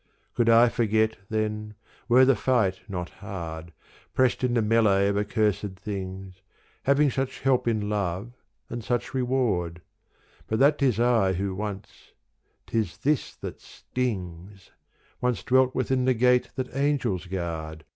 Could I forget, then were the fight not hard, Pressed in the melee of accursed things, Having such help in love and such reward : But that 't is I who once — 't is this that stings Once dwelt within the gate that angels guard.